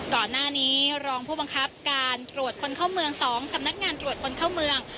ก่อนหน้านี้รองผู้บังคับการตรวจคนเข้าเมือง๒สำนักงานตรวจคนเข้าเมือง